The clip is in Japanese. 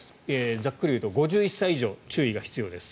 ざっくりいうと５１歳以上注意が必要です。